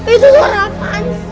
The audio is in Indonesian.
itu suara apaan sih